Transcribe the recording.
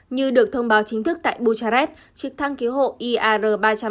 như được thông báo chính thức tại bucharest trực thăng cứu hộ iar ba trăm ba mươi